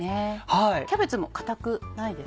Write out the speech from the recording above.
キャベツも硬くないですか？